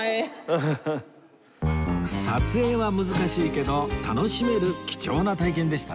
撮影は難しいけど楽しめる貴重な体験でしたね